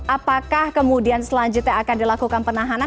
apakah kemudian selanjutnya akan dilakukan penahanan